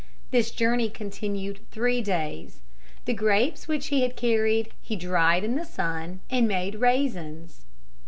This journey continued three days. The grapes which he had carried he dried in the sun and made raisins.